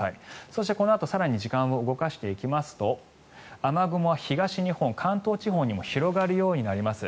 そして、このあと更に時間を動かしていきますと雨雲は東日本関東地方にも広がるようになります。